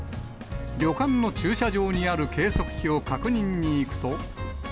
旅館の駐車場にある計測器を確認に行くと。